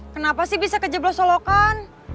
kenapa sih bisa ke jeblos solokan